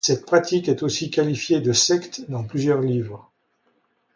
Cette pratique est aussi qualifiée de secte dans plusieurs livres.